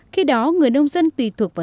khi đó người nông dân tùy thuộc vào